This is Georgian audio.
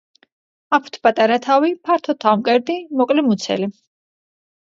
აქვთ პატარა თავი, ფართო თავმკერდი, მოკლე მუცელი.